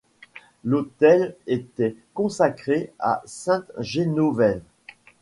L'autel était consacré à sainte Génovève.